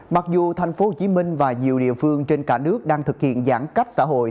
mặc dù thành phố hồ chí minh và nhiều địa phương trên cả nước đang thực hiện giãn cách xã hội